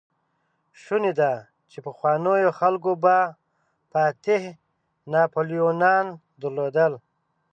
شونې ده، چې پخوانيو خلکو به فاتح ناپليونان درلودل.